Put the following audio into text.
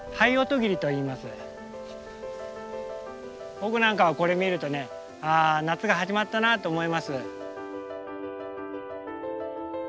僕なんかはこれ見るとねあ夏が始まったなと思います。